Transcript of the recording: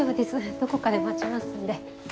どこかで待ちますんで。